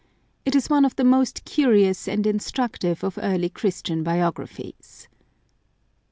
It is one of the most curious and instructive of early Christian bio graphies.